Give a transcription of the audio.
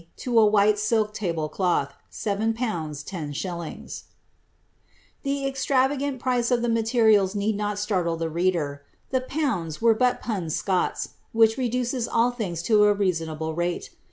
to a white silk table cloth, 7/. lOf.^' The extravagant price of the materials need not startle the reader. The pounds were but ^ punds Scols,^ which reduces all things to a reasonable rate.